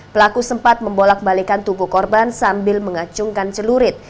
pelaku sempat membolak balikan tubuh korban sambil mengacungkan celurit